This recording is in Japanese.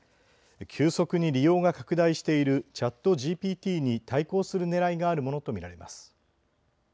急速に利用が拡大しているＣｈａｔＧＰＴに対抗するねらいがあるものと見られます。